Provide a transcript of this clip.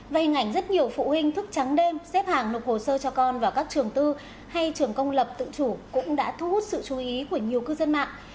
và hình ảnh rất nhiều phụ huynh thức trắng đêm xếp hàng nộp hồ sơ cho con vào các trường tư hay trường công lập tự chủ cũng đã thu hút sự chú ý của nhiều cư dân mạng